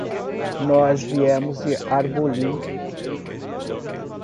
Nós viemos de Arbolí.